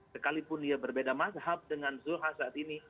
sekalipun dia berbeda mazhab dengan zulhas saat ini